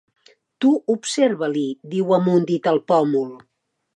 Tu observa —li diu amb un dit al pòmul.